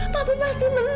papi pasti menang